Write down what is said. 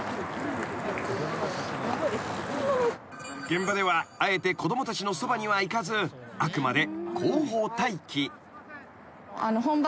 ［現場ではあえて子供たちのそばには行かずあくまで］